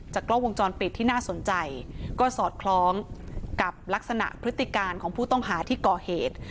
กล้องวงจรปิดที่น่าสนใจก็สอดคล้องกับลักษณะพฤติการของผู้ต้องหาที่ก่อเหตุ